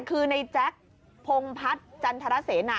คือในแจ๊คพงพัฒน์จันทรเสนา